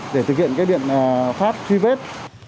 để thực hiện biện pháp truy vết